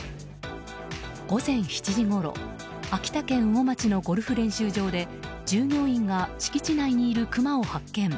午前７時ごろ秋田県羽後町のゴルフ練習場で従業員が敷地内にいるクマを発見。